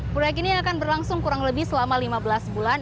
proyek ini akan berlangsung kurang lebih selama lima belas bulan